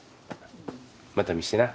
また見してな。